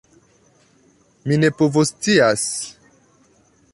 Mi ne povoscias!